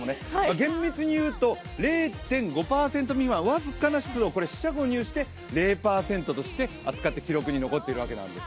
厳密にいうと０．５％未満、僅かな湿度、四捨五入して０％として扱って記録に残っています。